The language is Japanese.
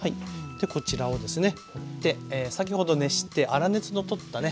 こちらをですね持って先ほど熱して粗熱の取ったね